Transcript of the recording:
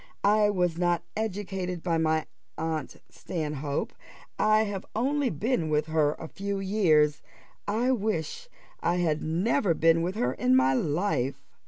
I was not educated by my aunt Stanhope I have only been with her a few years I wish I had never been with her in my life."